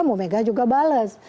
bumega juga bales